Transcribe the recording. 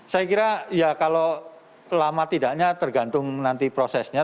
saya kira ya kalau lama tidaknya tergantung nanti prosesnya